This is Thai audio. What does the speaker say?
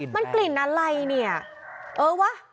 มันกลิ่นอะไรเนี่ยเออวะ